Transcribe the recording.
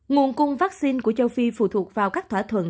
nguồn cung vaccine của châu phi phụ thuộc vào các thỏa thuận